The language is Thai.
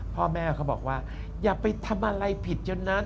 พ่อแม่เขาบอกว่าอย่าไปทำอะไรผิดจนนั้น